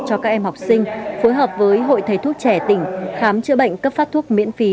cho các em học sinh phối hợp với hội thầy thuốc trẻ tỉnh khám chữa bệnh cấp phát thuốc miễn phí